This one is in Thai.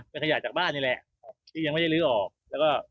เป็นขยะจากบ้านนี่แหละที่ยังไม่ได้ลื้อออกแล้วก็